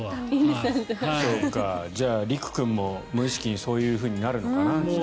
じゃあ陸君も無意識にそういうふうになるのかな。